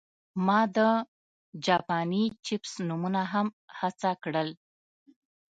ما د جاپاني چپس نومونه هم هڅه کړل